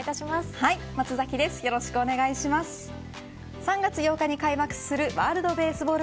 ３月８日に開幕するワールドベースボール